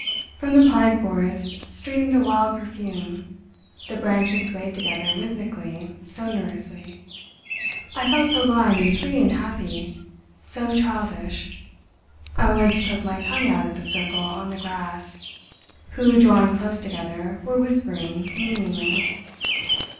From the pine forest streamed a wild perfume, the branches swayed together, rhythmically, sonorously. I felt so light and free and happy—so childish! I wanted to poke my tongue out at the circle on the grass, who, drawing close together, were whispering meaningly.